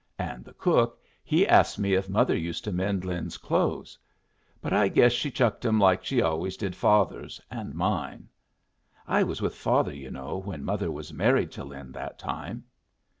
And the cook he asked me if mother used to mend Lin's clothes. But I guess she chucked 'em like she always did father's and mine. I was with father, you know, when mother was married to Lin that time."